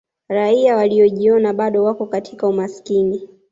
raia walijiona bado wako katika umasikini